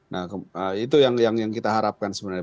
nah itu yang kita harapkan sebenarnya